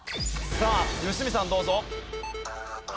さあ良純さんどうぞ。